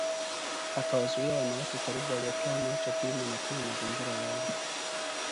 Akawazuia wanawe karibu, waliotoa macho pima na kunywa mazingira yale